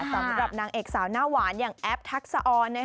สำหรับนางเอกสาวหน้าหวานอย่างแอปทักษะออน